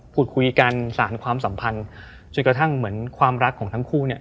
พูดคุยกันสาลความสัมภัณฑ์ถึงจุดเท่ากันเหมือนความรักของทั้งคู่น่ะ